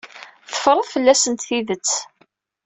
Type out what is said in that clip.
Teffreḍ fell-asent tidet.